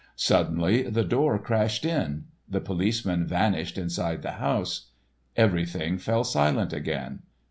Suddenly the door crashed in. The policemen vanished inside the house. Everything fell silent again.